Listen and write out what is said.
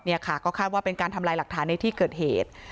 นี่ค่ะก็คาดว่าเป็นการทำลายหลักฐานในที่เกิดเหตุ